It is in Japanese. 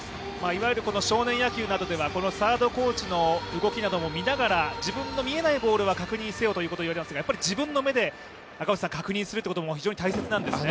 少年野球などではサードコーチの動きなども見ながら自分の見えないボールは確認せよと言われますが、自分の目で確認するということも非常に大切なんですね。